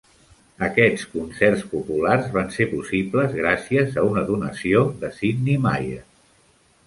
Aquests "concerts populars" van ser possibles gràcies a una donació de Sidney Myer.